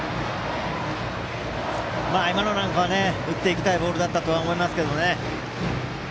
今のなんかは打っていきたいボールだとは思いますけどね。